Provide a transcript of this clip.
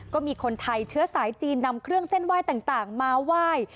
ก็มีคนไทยเชื้อสายจีนนำเครื่องเส้นไหว้ต่างมาไหว้